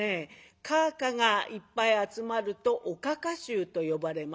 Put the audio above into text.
かあかがいっぱい集まるとおかか衆と呼ばれます。